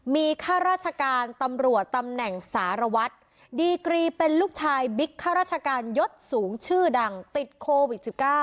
มีข้าราชการตำรวจตำแหน่งสารวัตรดีกรีเป็นลูกชายบิ๊กข้าราชการยศสูงชื่อดังติดโควิด๑๙